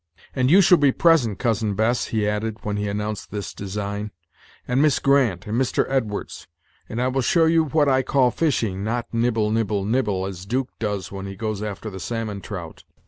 "And you shall be present, Cousin Bess," he added, when he announced this design, "and Miss Grant, and Mr. Edwards; and I will show you what I call fishing not nibble, nibble, nibble, as 'Duke does when he goes after the salmon trout.